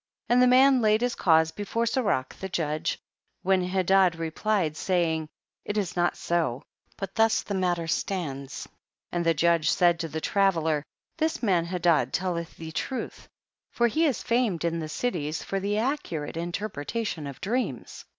34. And the man laid his cause before Serak the judge, when Hedad THE BOOK OF JASHER. 51 replied, saying, it is not so, bat thus the matter stands; and the judrie said to the traveller, this man Hedad tell eth thee truth, for he is famed in the cities for the accurate interpretation of dreams.